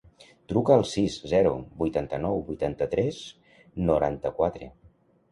Truca al sis, zero, vuitanta-nou, vuitanta-tres, noranta-quatre.